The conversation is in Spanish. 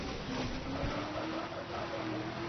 Kino Táchira